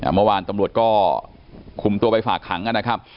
เมื่อวานตำรวจก็คุมตัวไปฝากขังนะครับ